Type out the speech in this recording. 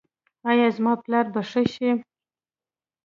ایا زما پلار به ښه شي؟